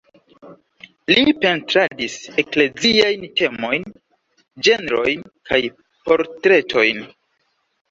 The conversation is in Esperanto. Li pentradis ekleziajn temojn, ĝenrojn kaj portretojn.